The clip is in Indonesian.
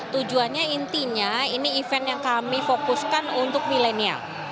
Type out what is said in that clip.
tujuannya intinya ini event yang kami fokuskan untuk milenial